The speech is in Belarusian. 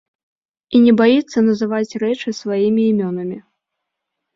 І не баіцца называць рэчы сваімі імёнамі.